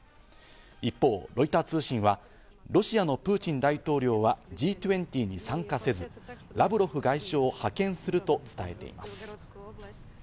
一方、ロイター通信はロシアのプーチン大統領はＧ２０に参加せず、ラブロフ外相を派遣すると伝えています。